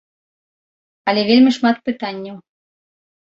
Але вельмі шмат пытанняў.